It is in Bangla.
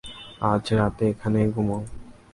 আজ রাতে এখানেই ঘুমাও।